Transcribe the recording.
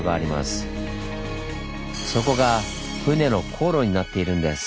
そこが船の航路になっているんです。